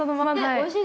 おいしい。